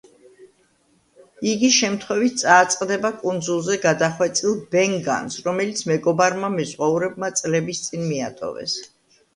იგი შემთხვევით წააწყდება კუნძულზე გადახვეწილ ბენ განს, რომელიც მეგობარმა მეზღვაურებმა წლების წინ მიატოვეს.